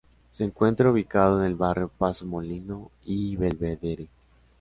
Se encuentra ubicado en el barrio Paso Molino y Belvedere.